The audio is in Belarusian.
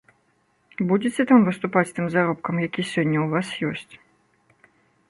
Будзеце там выступаць з тым заробкам, які сёння ў вас ёсць?